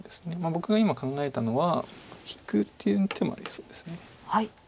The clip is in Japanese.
僕が今考えたのは引くっていう手もありそうです。